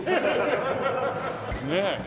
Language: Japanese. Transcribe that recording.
ねえ。